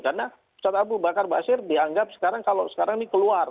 karena ustaz abu bakar bahasyir dianggap sekarang kalau sekarang ini keluar